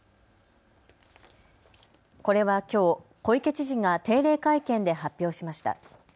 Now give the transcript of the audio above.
これは、きょう小池知事が定例会見で発表しました。